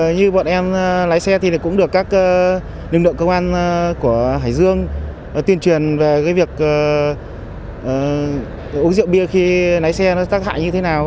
như bọn em lái xe thì cũng được các lực lượng công an của hải dương tuyên truyền về cái việc uống rượu bia khi lái xe nó tác hại như thế nào